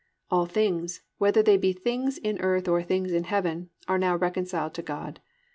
+"All things ... whether they be things in earth or things in heaven"+ are now reconciled to God.